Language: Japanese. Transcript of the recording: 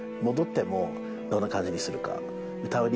どんな感じにするか。